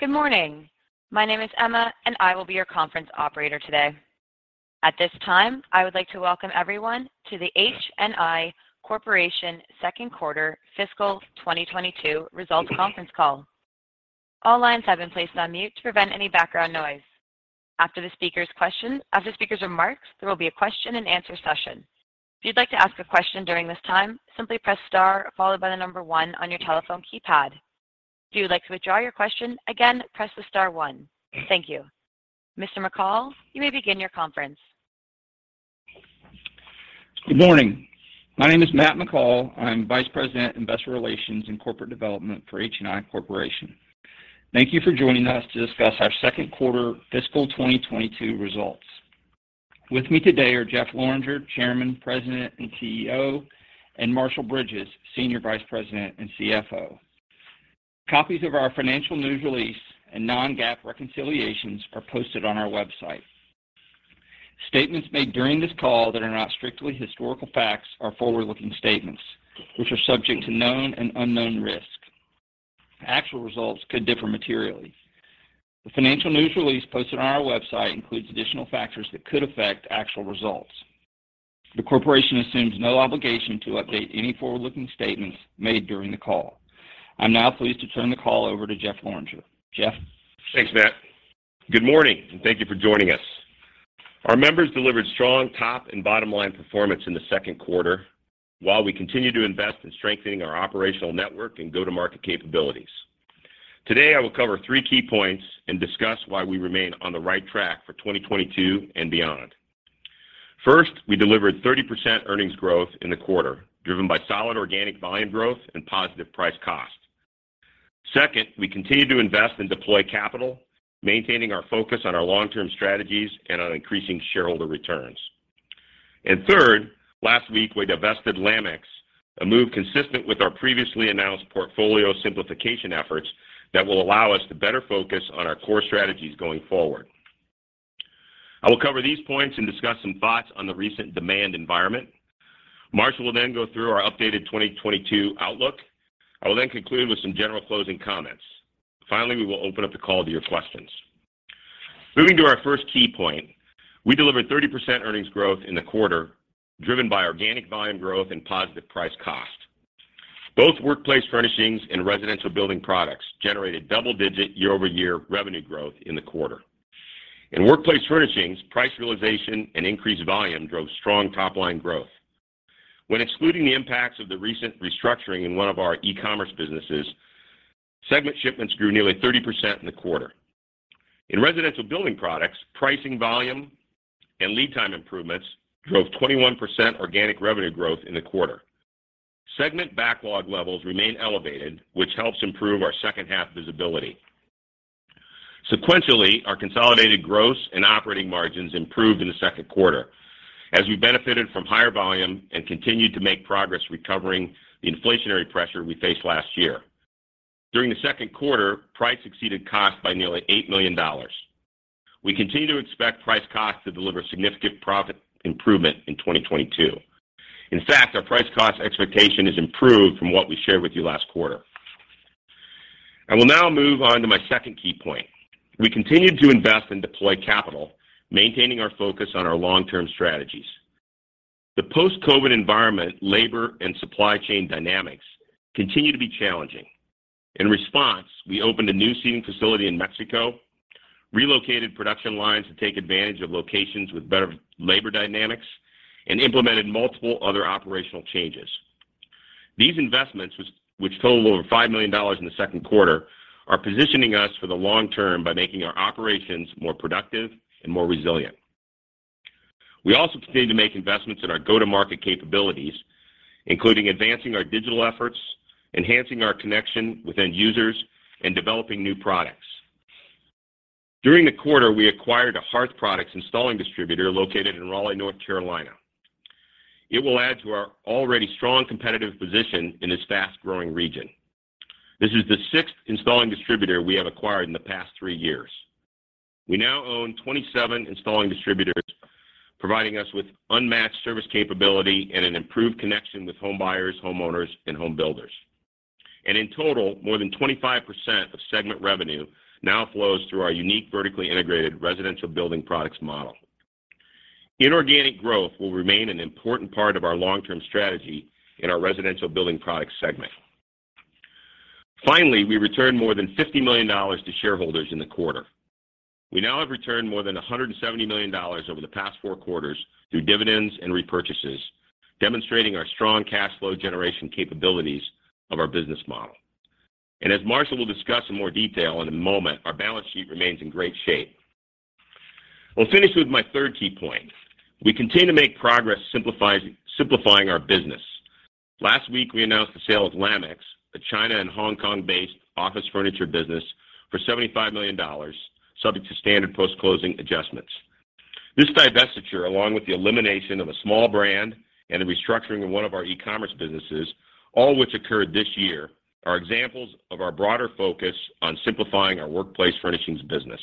Good morning. My name is Emma, and I will be your conference operator today. At this time, I would like to welcome everyone to the HNI Corporation second quarter fiscal 2022 results conference call. All lines have been placed on mute to prevent any background noise. After the speaker's remarks, there will be a question-and-answer session. If you'd like to ask a question during this time, simply press star followed by the number one on your telephone keypad. If you would like to withdraw your question, again, press the star one. Thank you. Mr. McCall, you may begin your conference. Good morning. My name is Matt McCall. I'm Vice President, Investor Relations and Corporate Development for HNI Corporation. Thank you for joining us to discuss our second quarter fiscal 2022 results. With me today are Jeffrey Lorenger, Chairman, President, and CEO, and Marshall Bridges, Senior Vice President and CFO. Copies of our financial news release and non-GAAP reconciliations are posted on our website. Statements made during this call that are not strictly historical facts are forward-looking statements, which are subject to known and unknown risks. Actual results could differ materially. The financial news release posted on our website includes additional factors that could affect actual results. The corporation assumes no obligation to update any forward-looking statements made during the call. I'm now pleased to turn the call over to Jeffrey Lorenger. Jeff? Thanks, Matt. Good morning, and thank you for joining us. Our members delivered strong top and bottom-line performance in the second quarter while we continue to invest in strengthening our operational network and go-to-market capabilities. Today, I will cover three key points and discuss why we remain on the right track for 2022 and beyond. First, we delivered 30% earnings growth in the quarter, driven by solid organic volume growth and positive price cost. Second, we continued to invest and deploy capital, maintaining our focus on our long-term strategies and on increasing shareholder returns. Third, last week we divested Lamex, a move consistent with our previously announced portfolio simplification efforts that will allow us to better focus on our core strategies going forward. I will cover these points and discuss some thoughts on the recent demand environment. Marshall will then go through our updated 2022 outlook. I will then conclude with some general closing comments. Finally, we will open up the call to your questions. Moving to our first key point, we delivered 30% earnings growth in the quarter, driven by organic volume growth and positive price cost. Both Workplace Furnishings and Residential Building Products generated double-digit year-over-year revenue growth in the quarter. In Workplace Furnishings, price realization and increased volume drove strong top-line growth. When excluding the impacts of the recent restructuring in one of our e-commerce businesses, segment shipments grew nearly 30% in the quarter. In Residential Building Products, pricing volume and lead time improvements drove 21% organic revenue growth in the quarter. Segment backlog levels remain elevated, which helps improve our second half visibility. Sequentially, our consolidated gross and operating margins improved in the second quarter as we benefited from higher volume and continued to make progress recovering the inflationary pressure we faced last year. During the second quarter, price exceeded cost by nearly $8 million. We continue to expect price cost to deliver significant profit improvement in 2022. In fact, our price cost expectation has improved from what we shared with you last quarter. I will now move on to my second key point. We continued to invest and deploy capital, maintaining our focus on our long-term strategies. The post-COVID environment, labor, and supply chain dynamics continue to be challenging. In response, we opened a new seating facility in Mexico, relocated production lines to take advantage of locations with better labor dynamics, and implemented multiple other operational changes. These investments, which totaled over $5 million in the second quarter, are positioning us for the long term by making our operations more productive and more resilient. We also continue to make investments in our go-to-market capabilities, including advancing our digital efforts, enhancing our connection with end users, and developing new products. During the quarter, we acquired a hearth products installing distributor located in Raleigh, North Carolina. It will add to our already strong competitive position in this fast-growing region. This is the sixth installing distributor we have acquired in the past three years. We now own 27 installing distributors, providing us with unmatched service capability and an improved connection with home buyers, homeowners, and home builders. In total, more than 25% of segment revenue now flows through our unique vertically integrated Residential Building Products model. Inorganic growth will remain an important part of our long-term strategy in our Residential Building Products segment. Finally, we returned more than $50 million to shareholders in the quarter. We now have returned more than $170 million over the past four quarters through dividends and repurchases, demonstrating our strong cash flow generation capabilities of our business model. As Marshall will discuss in more detail in a moment, our balance sheet remains in great shape. I'll finish with my third key point. We continue to make progress simplifying our business. Last week, we announced the sale of Lamex, a China and Hong Kong-based office furniture business, for $75 million, subject to standard post-closing adjustments. This divestiture, along with the elimination of a small brand and the restructuring of one of our e-commerce businesses, all which occurred this year, are examples of our broader focus on simplifying our workplace furnishings business.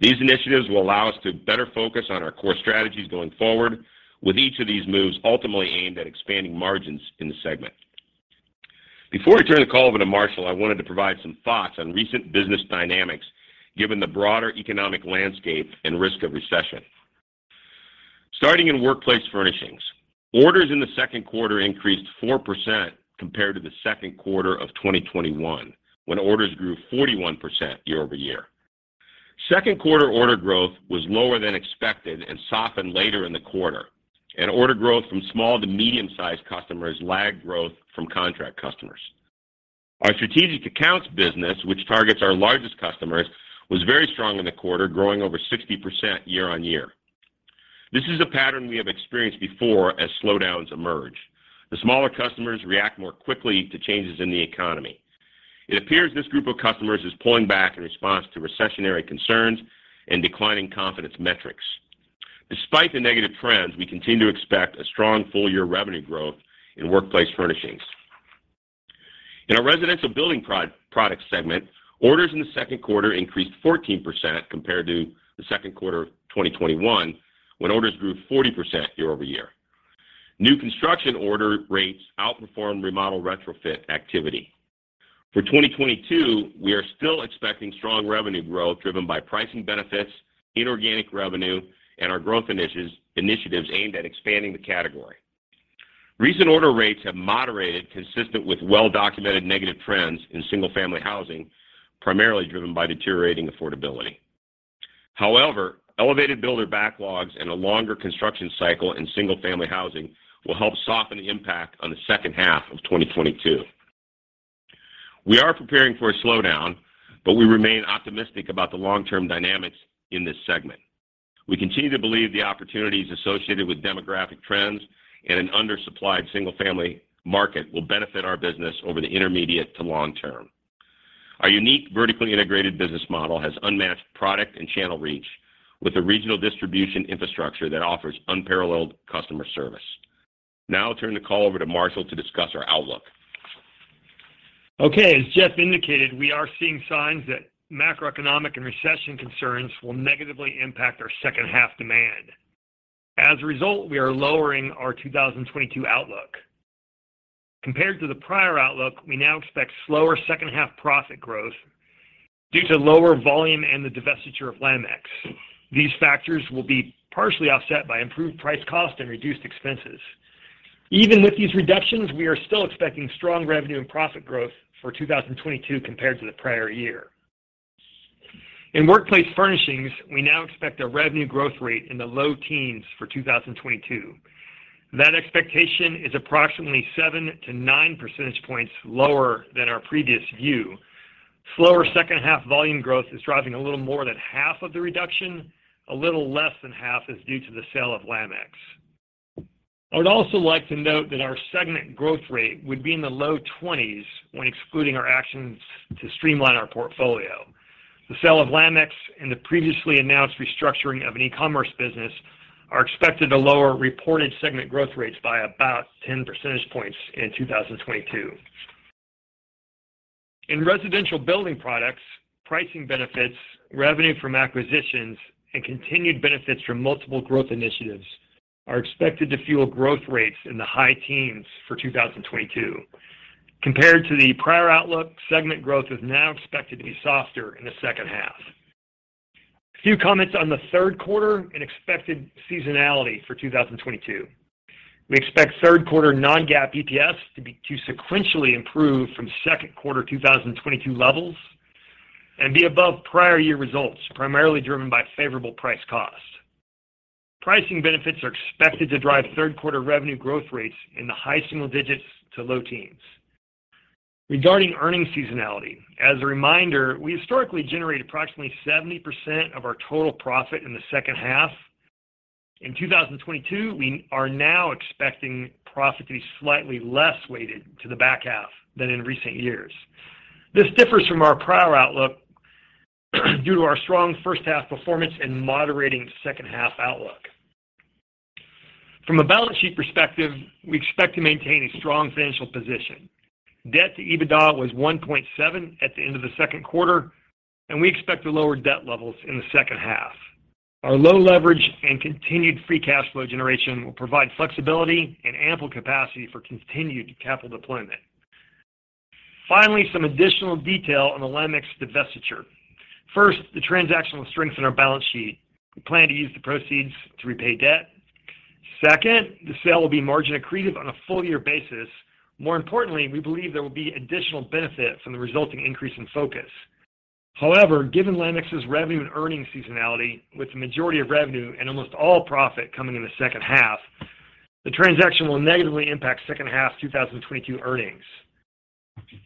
These initiatives will allow us to better focus on our core strategies going forward, with each of these moves ultimately aimed at expanding margins in the segment. Before we turn the call over to Marshall, I wanted to provide some thoughts on recent business dynamics, given the broader economic landscape and risk of recession. Starting in workplace furnishings. Orders in the second quarter increased 4% compared to the second quarter of 2021, when orders grew 41% year-over-year. Second quarter order growth was lower than expected and softened later in the quarter, and order growth from small to medium-sized customers lagged growth from contract customers. Our strategic accounts business, which targets our largest customers, was very strong in the quarter, growing over 60% year-on-year. This is a pattern we have experienced before as slowdowns emerge. The smaller customers react more quickly to changes in the economy. It appears this group of customers is pulling back in response to recessionary concerns and declining confidence metrics. Despite the negative trends, we continue to expect a strong full-year revenue growth in Workplace Furnishings. In our Residential Building Products segment, orders in the second quarter increased 14% compared to the second quarter of 2021, when orders grew 40% year-over-year. New construction order rates outperformed remodel retrofit activity. For 2022, we are still expecting strong revenue growth driven by pricing benefits, inorganic revenue, and our growth initiatives aimed at expanding the category. Recent order rates have moderated consistent with well-documented negative trends in single-family housing, primarily driven by deteriorating affordability. However, elevated builder backlogs and a longer construction cycle in single-family housing will help soften the impact on the second half of 2022. We are preparing for a slowdown, but we remain optimistic about the long-term dynamics in this segment. We continue to believe the opportunities associated with demographic trends and an undersupplied single-family market will benefit our business over the intermediate to long term. Our unique vertically integrated business model has unmatched product and channel reach with a regional distribution infrastructure that offers unparalleled customer service. Now I'll turn the call over to Marshall to discuss our outlook. Okay. As Jeff indicated, we are seeing signs that macroeconomic and recession concerns will negatively impact our second half demand. As a result, we are lowering our 2022 outlook. Compared to the prior outlook, we now expect slower second half profit growth due to lower volume and the divestiture of Lamex. These factors will be partially offset by improved price cost and reduced expenses. Even with these reductions, we are still expecting strong revenue and profit growth for 2022 compared to the prior year. In workplace furnishings, we now expect a revenue growth rate in the low teens for 2022. That expectation is approximately 7 percentage points-9 percentage points lower than our previous view. Slower second half volume growth is driving a little more than half of the reduction. A little less than half is due to the sale of Lamex. I would also like to note that our segment growth rate would be in the low 20s% when excluding our actions to streamline our portfolio. The sale of Lamex and the previously announced restructuring of an e-commerce business are expected to lower reported segment growth rates by about 10 percentage points in 2022. In Residential Building Products, pricing benefits, revenue from acquisitions, and continued benefits from multiple growth initiatives are expected to fuel growth rates in the high teens for 2022. Compared to the prior outlook, segment growth is now expected to be softer in the second half. A few comments on the third quarter and expected seasonality for 2022. We expect third quarter non-GAAP EPS to sequentially improve from second quarter 2022 levels and be above prior year results, primarily driven by favorable price cost. Pricing benefits are expected to drive third quarter revenue growth rates in the high single digits to low teens. Regarding earnings seasonality, as a reminder, we historically generate approximately 70% of our total profit in the second half. In 2022, we are now expecting profit to be slightly less weighted to the back half than in recent years. This differs from our prior outlook due to our strong first half performance and moderating second half outlook. From a balance sheet perspective, we expect to maintain a strong financial position. Debt to EBITDA was 1.7 at the end of the second quarter, and we expect to lower debt levels in the second half. Our low leverage and continued free cash flow generation will provide flexibility and ample capacity for continued capital deployment. Finally, some additional detail on the Lamex divestiture. First, the transaction will strengthen our balance sheet. We plan to use the proceeds to repay debt. Second, the sale will be margin accretive on a full year basis. More importantly, we believe there will be additional benefit from the resulting increase in focus. However, given Lamex's revenue and earnings seasonality, with the majority of revenue and almost all profit coming in the second half, the transaction will negatively impact second half 2022 earnings.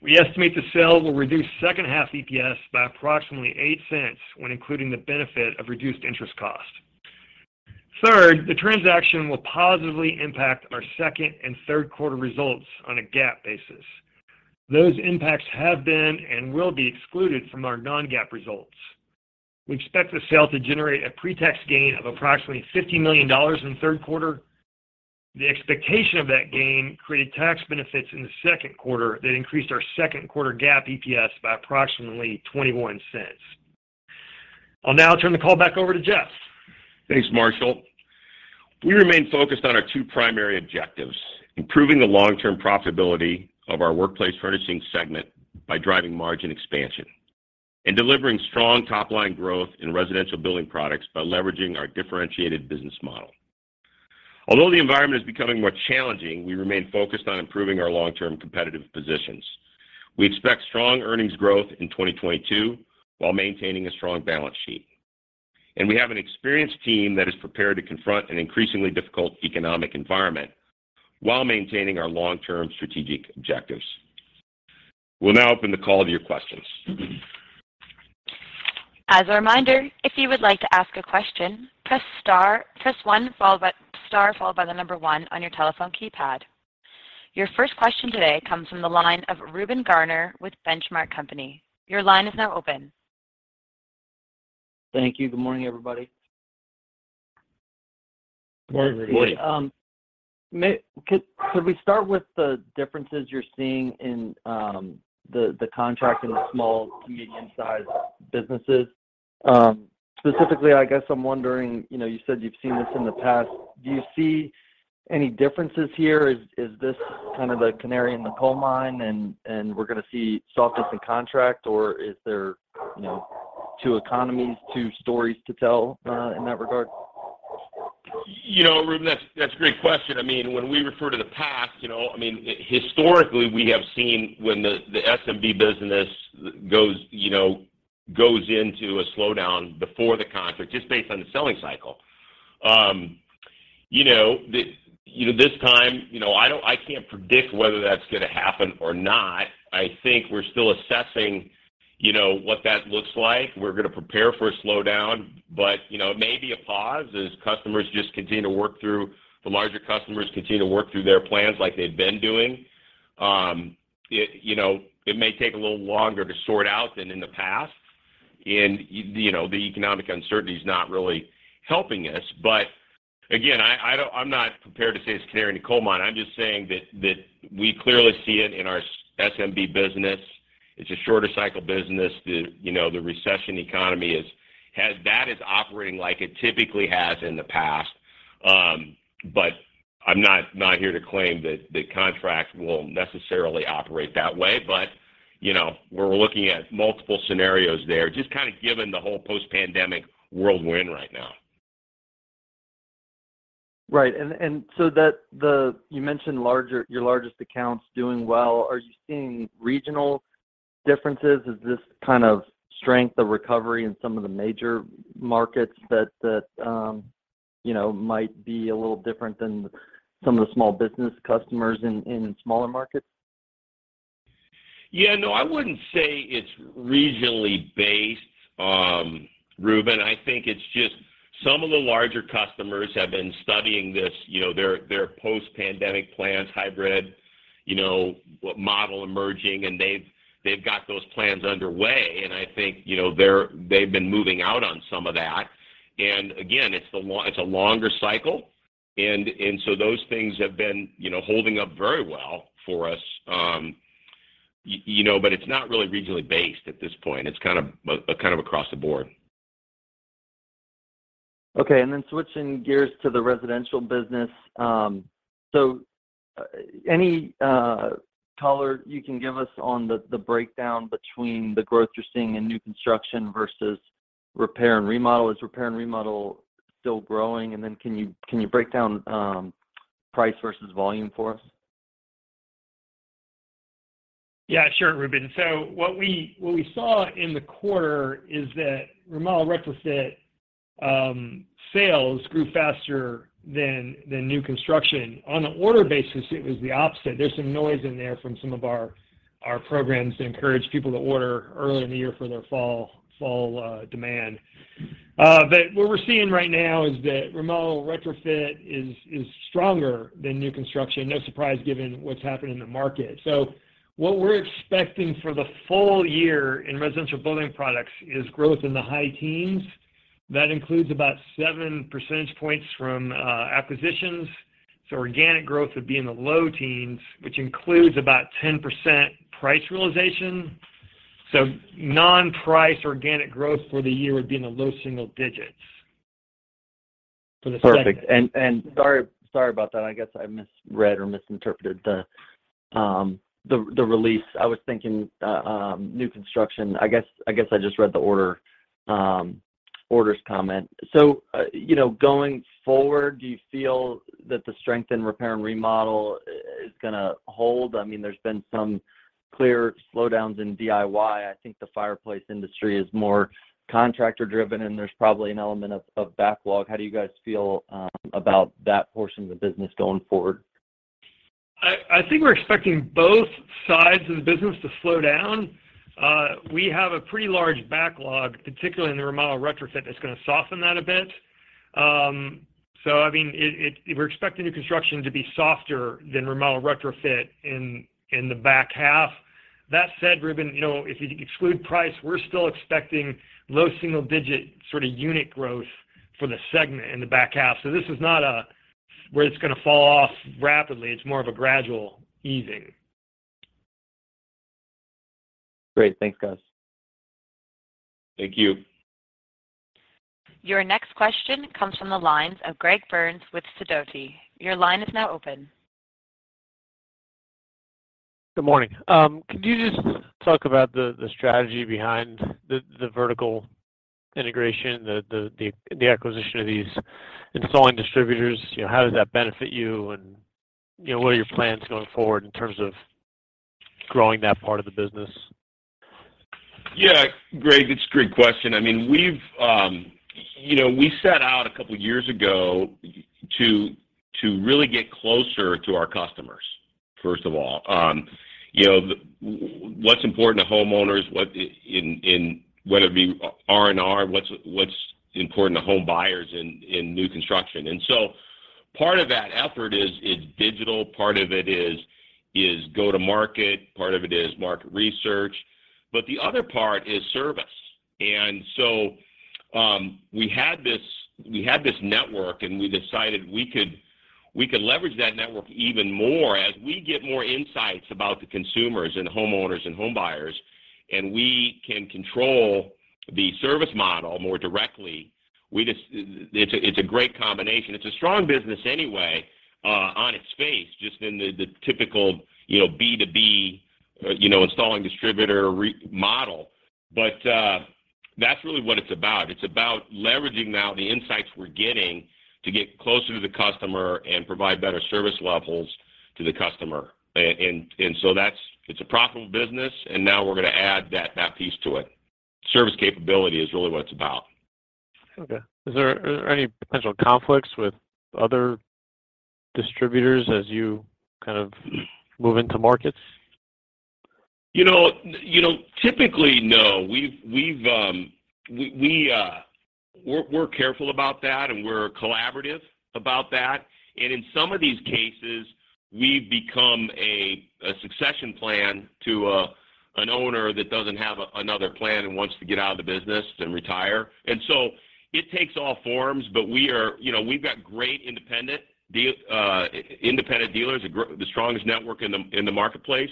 We estimate the sale will reduce second half EPS by approximately $0.08 when including the benefit of reduced interest cost. Third, the transaction will positively impact our second and third quarter results on a GAAP basis. Those impacts have been and will be excluded from our non-GAAP results. We expect the sale to generate a pre-tax gain of approximately $50 million in the third quarter. The expectation of that gain created tax benefits in the second quarter that increased our second quarter GAAP EPS by approximately $0.21. I'll now turn the call back over to Jeff. Thanks, Marshall. We remain focused on our two primary objectives, improving the long-term profitability of our Workplace Furnishings segment by driving margin expansion and delivering strong top-line growth in Residential Building Products by leveraging our differentiated business model. Although the environment is becoming more challenging, we remain focused on improving our long-term competitive positions. We expect strong earnings growth in 2022 while maintaining a strong balance sheet. We have an experienced team that is prepared to confront an increasingly difficult economic environment while maintaining our long-term strategic objectives. We'll now open the call to your questions. As a reminder, if you would like to ask a question, press star one on your telephone keypad. Your first question today comes from the line of Reuben Garner with The Benchmark Company. Your line is now open. Thank you. Good morning, everybody. Good morning. Good morning. Could we start with the differences you're seeing in the contract in the small to medium-sized businesses? Specifically, I guess I'm wondering, you know, you said you've seen this in the past. Do you see any differences here? Is this kind of a canary in the coal mine and we're gonna see softness in contract, or is there, you know, two economies, two stories to tell in that regard? You know, Reuben, that's a great question. I mean, when we refer to the past, you know, I mean, historically, we have seen when the SMB business goes into a slowdown before the contract, just based on the selling cycle. You know, this time, you know, I can't predict whether that's gonna happen or not. I think we're still assessing, you know, what that looks like. We're gonna prepare for a slowdown, but, you know, it may be a pause as customers just continue to work through, the larger customers continue to work through their plans like they've been doing. It may take a little longer to sort out than in the past. You know, the economic uncertainty is not really helping us. Again, I don't. I'm not prepared to say it's a canary in the coal mine. I'm just saying that we clearly see it in our SMB business. It's a shorter cycle business. You know, the recession economy is that is operating like it typically has in the past. I'm not here to claim that the contracts will necessarily operate that way. You know, we're looking at multiple scenarios there, just kind of given the whole post-pandemic whirlwind right now. Right. You mentioned larger, your largest account's doing well. Are you seeing regional differences? Is this kind of strength, the recovery in some of the major markets that you know might be a little different than some of the small business customers in smaller markets? Yeah, no, I wouldn't say it's regionally based, Reuben. I think it's just some of the larger customers have been studying this, you know, their post-pandemic plans, hybrid, you know, model emerging, and they've got those plans underway. I think, you know, they've been moving out on some of that. Again, it's a longer cycle, and so those things have been, you know, holding up very well for us. You know, but it's not really regionally based at this point. It's kind of a kind of across the board. Okay. Switching gears to the residential business. Any color you can give us on the breakdown between the growth you're seeing in new construction versus repair and remodel? Is repair and remodel still growing? Can you break down price versus volume for us? Yeah, sure, Reuben. What we saw in the quarter is that remodel and retrofit sales grew faster than new construction. On the order basis, it was the opposite. There's some noise in there from some of our programs to encourage people to order early in the year for their fall demand. What we're seeing right now is that remodel and retrofit is stronger than new construction. No surprise given what's happening in the market. What we're expecting for the full year in Residential Building Products is growth in the high teens. That includes about 7 percentage points from acquisitions. Organic growth would be in the low teens, which includes about 10% price realization. Non-price organic growth for the year would be in the low single digits for the second half. Perfect. Sorry about that. I guess I misread or misinterpreted the release. I was thinking new construction. I guess I just read the orders comment. You know, going forward, do you feel that the strength in repair and remodel is gonna hold? I mean, there's been some clear slowdowns in DIY. I think the fireplace industry is more contractor-driven, and there's probably an element of backlog. How do you guys feel about that portion of the business going forward? I think we're expecting both sides of the business to slow down. We have a pretty large backlog, particularly in the remodel and retrofit, that's gonna soften that a bit. I mean, we're expecting new construction to be softer than remodel and retrofit in the back half. That said, Reuben, you know, if you exclude price, we're still expecting low single digit sort of unit growth for the segment in the back half. This is not a case where it's gonna fall off rapidly, it's more of a gradual easing. Great. Thanks, guys. Thank you. Your next question comes from the line of Greg Burns with Sidoti. Your line is now open. Good morning. Could you just talk about the strategy behind the vertical integration, the acquisition of these installing distributors? You know, how does that benefit you? You know, what are your plans going forward in terms of growing that part of the business? Yeah, Greg, it's a great question. I mean, we've, you know, we set out a couple years ago to really get closer to our customers, first of all. You know, what's important to homeowners, what in whether it be R&R, what's important to home buyers in new construction. Part of that effort is digital, part of it is go to market, part of it is market research, but the other part is service. We had this network, and we decided we could leverage that network even more as we get more insights about the consumers and homeowners and home buyers, and we can control the service model more directly. It's a great combination. It's a strong business anyway, on its face, just in the typical, you know, B2B, you know, installing distributor model. That's really what it's about. It's about leveraging now the insights we're getting to get closer to the customer and provide better service levels to the customer. So it's a profitable business, and now we're gonna add that piece to it. Service capability is really what it's about. Okay. Is there any potential conflicts with other distributors as you kind of move into markets? You know, typically, no. We're careful about that, and we're collaborative about that. In some of these cases, we've become a succession plan to an owner that doesn't have another plan and wants to get out of the business and retire. It takes all forms, but we are. You know, we've got great independent dealers, the strongest network in the marketplace,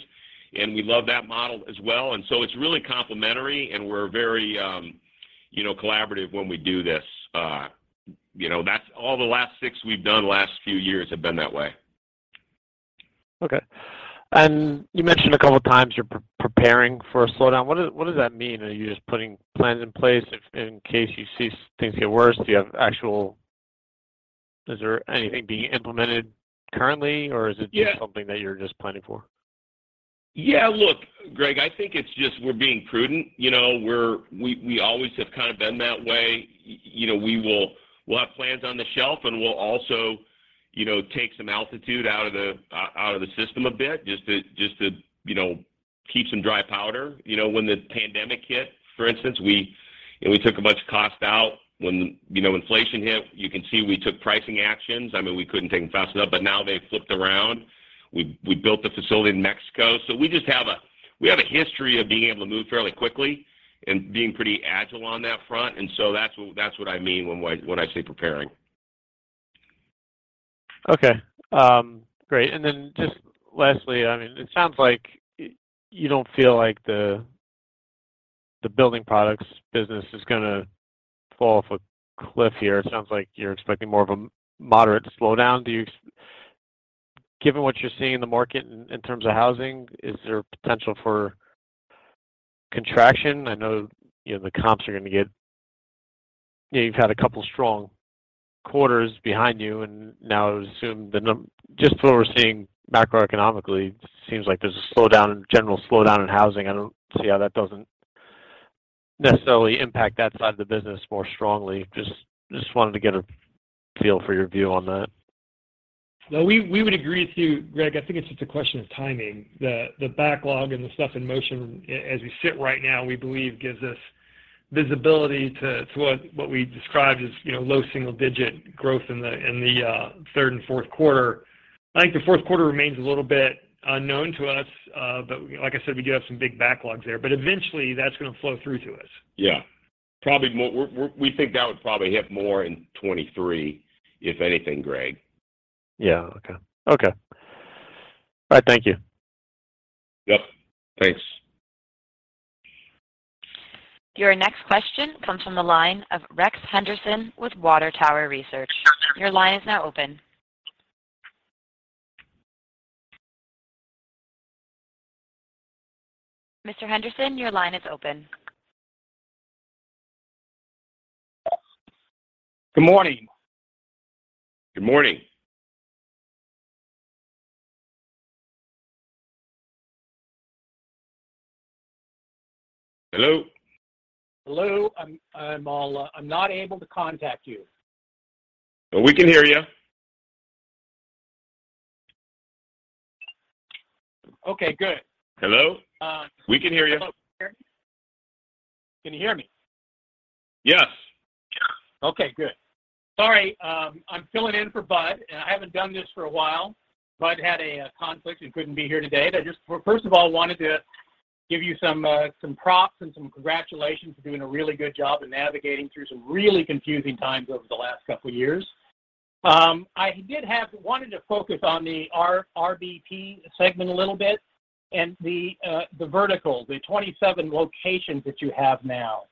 and we love that model as well. It's really complementary, and we're very, you know, collaborative when we do this. You know, that's all the last six we've done the last few years have been that way. Okay. You mentioned a couple of times you're preparing for a slowdown. What does that mean? Are you just putting plans in place if in case you see things get worse? Is there anything being implemented currently, or is it? Yeah Just something that you're just planning for? Yeah. Look, Greg, I think it's just we're being prudent. You know, we always have kind of been that way. You know, we'll have plans on the shelf, and we'll also, you know, take some altitude out of the system a bit just to keep some dry powder. You know, when the pandemic hit, for instance, you know, we took a bunch of cost out. When inflation hit, you know, you can see we took pricing actions. I mean, we couldn't take them fast enough, but now they flipped around. We built a facility in Mexico. We have a history of being able to move fairly quickly and being pretty agile on that front, and so that's what I mean when I say preparing. Okay. Great. Just lastly, I mean, it sounds like you don't feel like the building products business is gonna fall off a cliff here. It sounds like you're expecting more of a moderate slowdown. Given what you're seeing in the market in terms of housing, is there potential for contraction? I know, you know. You know, you've had a couple strong quarters behind you, and now I would assume just what we're seeing macroeconomically seems like there's a slowdown, general slowdown in housing. I don't see how that doesn't necessarily impact that side of the business more strongly. Just wanted to get a feel for your view on that. No, we would agree with you, Greg. I think it's just a question of timing. The backlog and the stuff in motion as we sit right now, we believe gives us visibility to what we described as, you know, low single digit growth in the third and fourth quarter. I think the fourth quarter remains a little bit unknown to us, but like I said, we do have some big backlogs there. Eventually, that's gonna flow through to us. Yeah. We think that would probably hit more in 2023, if anything, Greg. Yeah. Okay. All right, thank you. Yep. Thanks. Your next question comes from the line of Rex Henderson with Water Tower Research. Your line is now open. Mr. Henderson, your line is open. Good morning. Good morning. Hello? Hello. I'm not able to contact you. We can hear you. Okay, good. Hello? Uh. We can hear you. Can you hear me? Yes. Okay, good. Sorry, I'm filling in for Bud, and I haven't done this for a while. Bud had a conflict and couldn't be here today. I just first of all wanted to give you some props and some congratulations for doing a really good job in navigating through some really confusing times over the last couple of years. I wanted to focus on the RBP segment a little bit and the vertical, the 27 locations that you have now.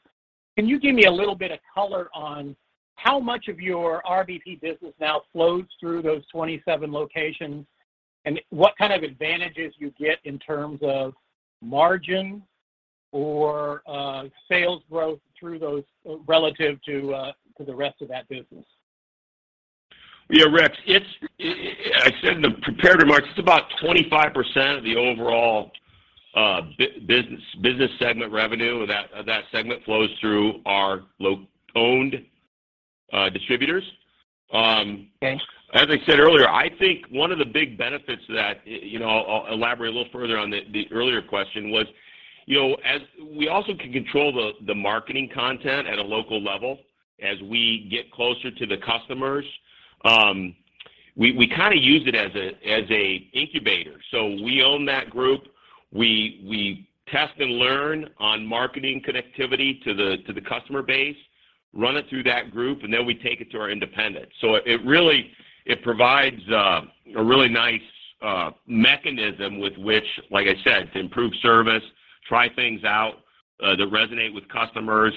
Can you give me a little bit of color on how much of your RBP business now flows through those 27 locations and what kind of advantages you get in terms of margin or sales growth through those relative to the rest of that business? Yeah, Rex, I said in the prepared remarks, it's about 25% of the overall business segment revenue that segment flows through our owned distributors. Okay. As I said earlier, I think one of the big benefits that, you know, I'll elaborate a little further on the earlier question was, you know, we also can control the marketing content at a local level as we get closer to the customers. We kinda use it as a incubator. We own that group. We test and learn on marketing connectivity to the customer base, run it through that group, and then we take it to our independent. It provides a really nice mechanism with which, like I said, to improve service, try things out that resonate with customers,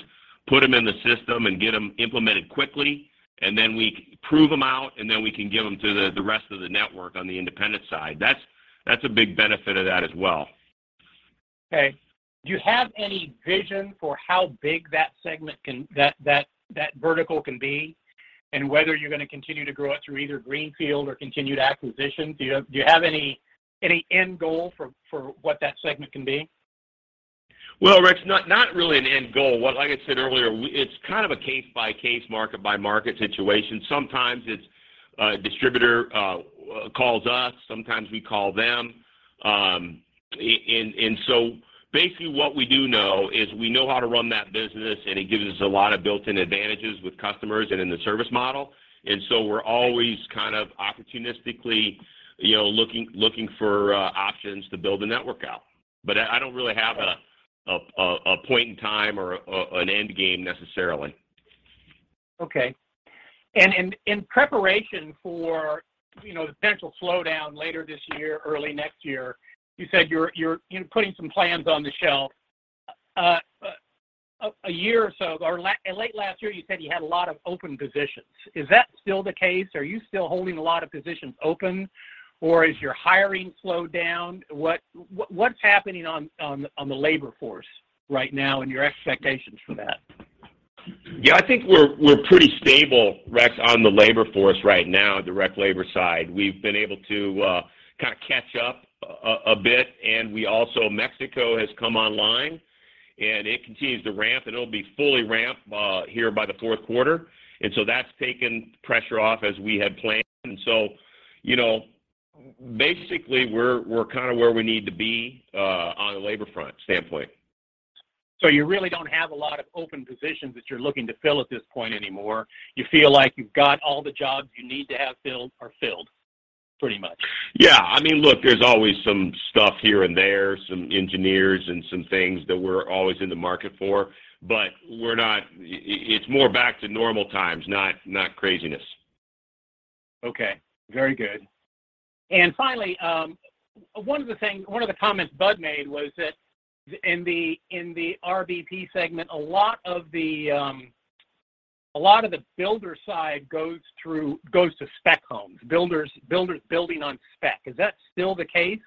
put them in the system and get them implemented quickly, and then we prove them out, and then we can give them to the rest of the network on the independent side. That's a big benefit of that as well. Okay. Do you have any vision for how big that vertical can be, and whether you're gonna continue to grow it through either greenfield or continued acquisitions? Do you have any end goal for what that segment can be? Well, Rex, not really an end goal. Like I said earlier, it's kind of a case-by-case, market-by-market situation. Sometimes it's a distributor calls us, sometimes we call them. And so basically what we do know is we know how to run that business, and it gives us a lot of built-in advantages with customers and in the service model. We're always kind of opportunistically, you know, looking for options to build the network out. I don't really have a point in time or an end game necessarily. Okay. In preparation for, you know, the potential slowdown later this year, early next year, you said you're, you know, putting some plans on the shelf. A year or so ago, or late last year, you said you had a lot of open positions. Is that still the case? Are you still holding a lot of positions open, or is your hiring slowed down? What's happening on the labor force right now and your expectations for that? Yeah, I think we're pretty stable, Rex, on the labor force right now, direct labor side. We've been able to kind of catch up a bit, and we also, Mexico has come online, and it continues to ramp, and it'll be fully ramped here by the fourth quarter. That's taken pressure off as we had planned. You know, basically, we're kind of where we need to be on the labor front standpoint. You really don't have a lot of open positions that you're looking to fill at this point anymore. You feel like you've got all the jobs you need to have filled are filled pretty much. Yeah. I mean, look, there's always some stuff here and there, some engineers and some things that we're always in the market for, but it's more back to normal times, not craziness. Okay. Very good. Finally, one of the comments Bud made was that in the RBP segment, a lot of the builder side goes to spec homes, builders building on spec. Is that still the case,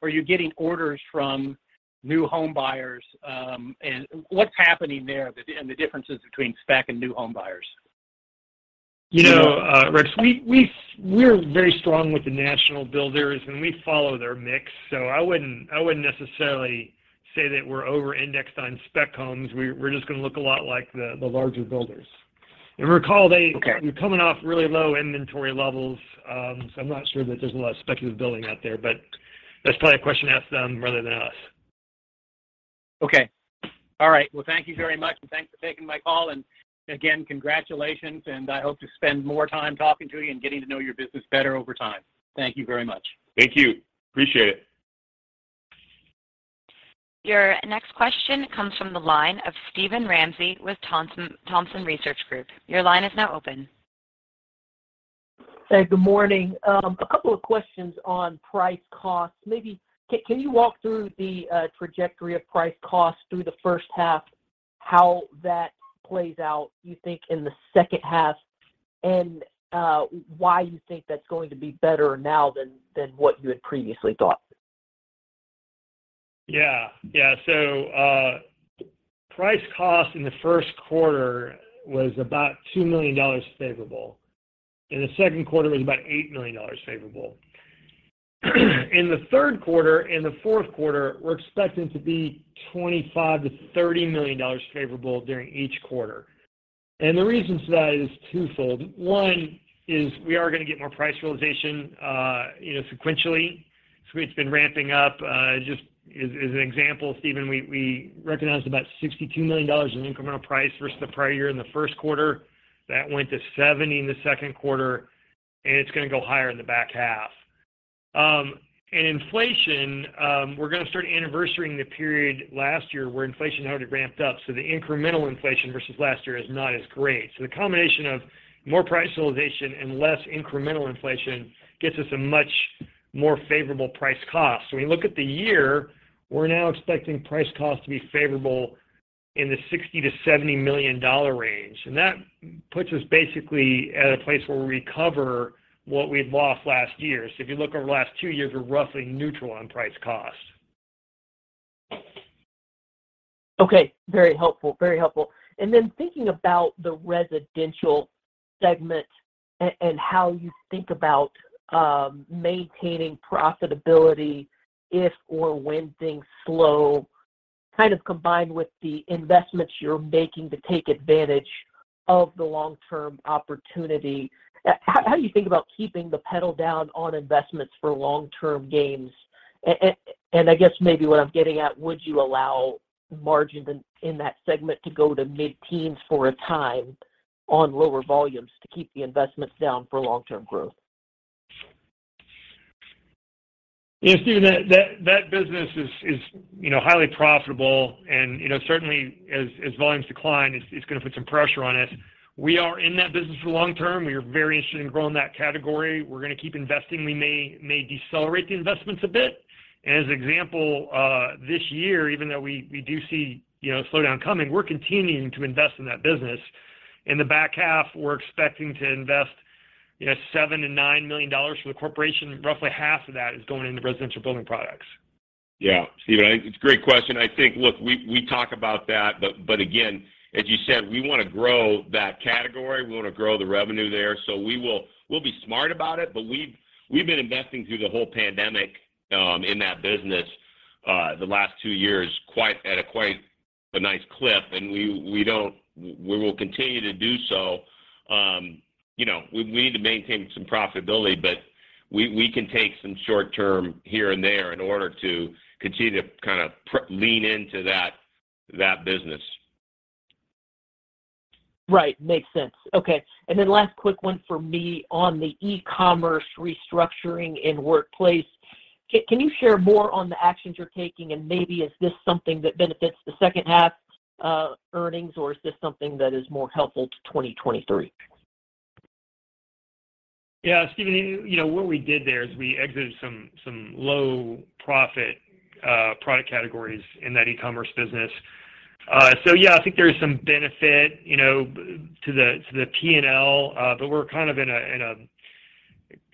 or are you getting orders from new home buyers, and what's happening there and the differences between spec and new home buyers? You know, Rex, we're very strong with the national builders, and we follow their mix. So I wouldn't necessarily say that we're over-indexed on spec homes. We're just gonna look a lot like the larger builders. Recall they- Okay. We're coming off really low inventory levels. I'm not sure that there's a lot of speculative building out there, but that's probably a question to ask them rather than us. Okay. All right. Well, thank you very much, and thanks for taking my call. Again, congratulations, and I hope to spend more time talking to you and getting to know your business better over time. Thank you very much. Thank you. Appreciate it. Your next question comes from the line of Steven Ramsey with Thompson Research Group. Your line is now open. Hey, good morning. A couple of questions on price cost. Maybe can you walk through the trajectory of price cost through the first half, how that plays out, you think, in the second half, and why you think that's going to be better now than what you had previously thought? Yeah. Yeah. Price cost in the first quarter was about $2 million favorable. In the second quarter, it was about $8 million favorable. In the third quarter and the fourth quarter, we're expecting to be $25-$30 million favorable during each quarter. The reason for that is twofold. One is we are gonna get more price realization, you know, sequentially. It's been ramping up. Just as an example, Steven, we recognized about $62 million in incremental price versus the prior year in the first quarter. That went to $70 million in the second quarter, and it's gonna go higher in the back half. And inflation, we're gonna start anniversary-ing the period last year, where inflation had already ramped up, so the incremental inflation versus last year is not as great. The combination of more price realization and less incremental inflation gets us a much more favorable price cost. When you look at the year, we're now expecting price cost to be favorable in the $60 million-$70 million range, and that puts us basically at a place where we recover what we'd lost last year. If you look over the last two years, we're roughly neutral on price cost. Okay. Very helpful, very helpful. Then thinking about the residential segment and how you think about maintaining profitability if or when things slow, kind of combined with the investments you're making to take advantage of the long-term opportunity. How do you think about keeping the pedal down on investments for long-term gains? I guess maybe what I'm getting at, would you allow margins in that segment to go to mid-teens for a time on lower volumes to keep the investments down for long-term growth? Yeah, Steven, that business is, you know, highly profitable and, you know, certainly as volumes decline, it's gonna put some pressure on it. We are in that business for long-term. We are very interested in growing that category. We're gonna keep investing. We may decelerate the investments a bit. As an example, this year, even though we do see, you know, a slowdown coming, we're continuing to invest in that business. In the back half, we're expecting to invest, you know, $7 million-$9 million for the corporation. Roughly half of that is going into Residential Building Products. Yeah. Steven, it's a great question. I think, look, we talk about that, but again, as you said, we wanna grow that category. We wanna grow the revenue there. We'll be smart about it, but we've been investing through the whole pandemic in that business the last two years at quite a nice clip, and we will continue to do so. You know, we need to maintain some profitability, but we can take some short term here and there in order to continue to kinda lean into that business. Right. Makes sense. Okay. Then last quick one for me on the e-commerce restructuring in Workplace. Can you share more on the actions you're taking? Maybe, is this something that benefits the second half earnings, or is this something that is more helpful to 2023? Yeah. Steven, you know, what we did there is we exited some low profit product categories in that e-commerce business. Yeah, I think there is some benefit, you know, to the P&L, but we're kind of in a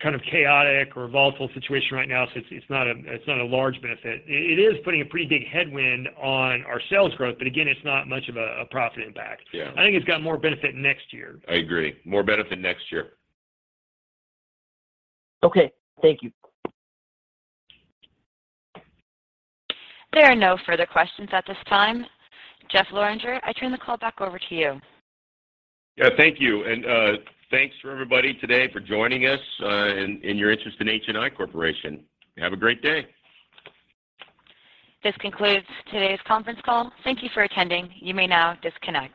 kind of chaotic or volatile situation right now, so it's not a large benefit. It is putting a pretty big headwind on our sales growth, but again, it's not much of a profit impact. Yeah. I think it's got more benefit next year. I agree. More benefit next year. Okay. Thank you. There are no further questions at this time. Jeffrey Lorenger, I turn the call back over to you. Yeah. Thank you. Thanks for everybody today for joining us, and your interest in HNI Corporation. Have a great day. This concludes today's conference call. Thank you for attending. You may now disconnect.